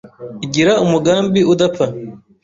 Igira umugambi udapfa